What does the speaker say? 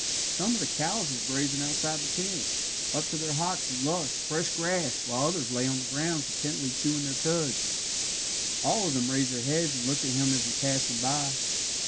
Some of the cows were grazing outside the pen, up to their hocks in lush, fresh grass, while others lay on the ground contentedly chewing their cuds. All of them raised their heads and looked at him as he passed them by.